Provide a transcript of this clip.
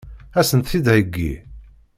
Ad sent-t-id-theggi?